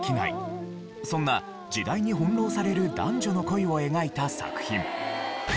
そんな時代に翻弄される男女の恋を描いた作品。